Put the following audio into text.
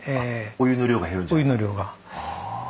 お湯の量が。